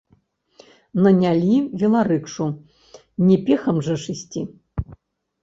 Нанялі веларыкшу, не пехам жа ісці.